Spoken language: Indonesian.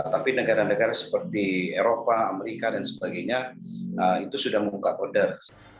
tapi negara negara seperti eropa amerika dan sebagainya itu sudah membuka koder